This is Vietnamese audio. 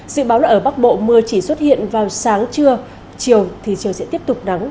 dự báo là ở bắc bộ mưa chỉ xuất hiện vào sáng trưa chiều thì trời sẽ tiếp tục nắng